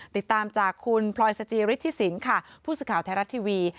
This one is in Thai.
ติดตามจากคุณพลอยสจิฤทธิสินค่ะผู้สื่อข่าวไทยรัฐทีวี